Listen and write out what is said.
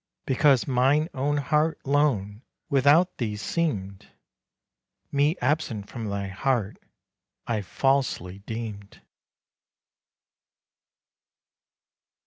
Because mine own heart lone without thee seem'd, Me absent from thy heart I falsely deem'd.